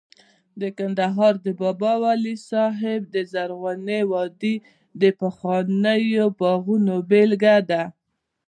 د کندهار د بابا ولی صاحب د زرغونې وادۍ د پخوانیو باغونو بېلګه ده